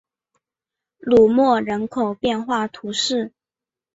卢莫人口变化图示